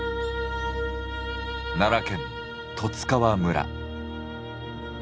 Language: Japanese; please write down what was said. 奈良県十津川村。